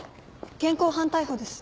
現行犯逮捕です。